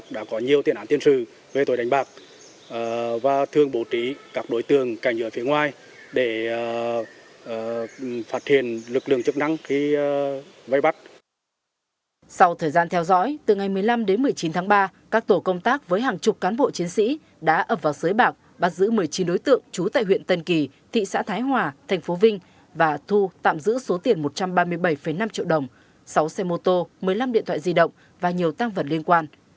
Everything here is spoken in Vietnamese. sau thời gian theo dõi từ ngày một mươi năm đến một mươi chín tháng ba các tổ công tác với hàng chục cán bộ chiến sĩ đã ập vào sới bạc bắt giữ một mươi chín đối tượng trú tại huyện tân kỳ thị xã thái hòa thành phố vinh và thu tạm giữ số tiền một trăm ba mươi bảy năm triệu đồng sáu xe mô tô một mươi năm điện thoại di động và nhiều tăng vật liên quan